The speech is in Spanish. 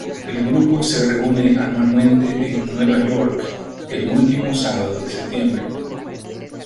El grupo se reúne anualmente en Nueva York el último sábado de septiembre.